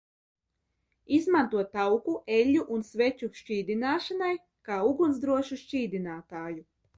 Izmanto tauku, eļļu un sveķu šķīdināšanai kā ugunsdrošu šķīdinātāju.